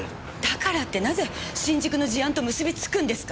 だからってなぜ新宿の事案と結びつくんですか！？